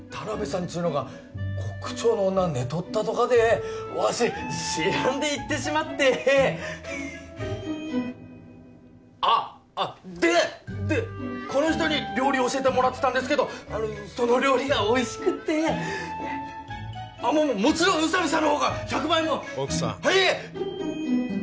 っちゅうのがコック長の女寝取ったとかでわし知らんで言ってしまってあッでこの人に料理を教えてもらってたんですけどその料理がおいしくってももちろん宇佐美さんのほうが１００倍も奥さんはいッ